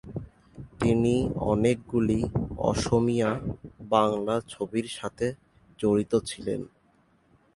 তিনি অনেকগুলি অসমীয়া, বাংলা ছবির সাথে জড়িত ছিলেন।